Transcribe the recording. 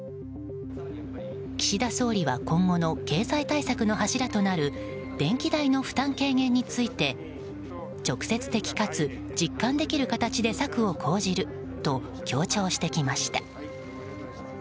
岸田総理は今後の経済対策の柱となる電気代の負担軽減について直接的かつ実感できる形で策を講じると強調してきました。